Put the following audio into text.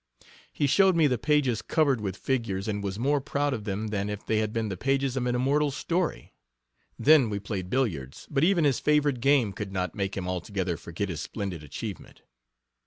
He showed me the pages covered with figures, and was more proud of them than if they had been the pages of an immortal story. Then we played billiards, but even his favorite game could not make him altogether forget his splendid achievement.